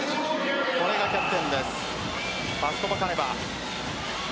これがキャプテンです。